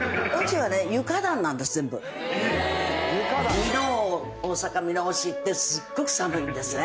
箕面大阪箕面市ってすっごく寒いんですね。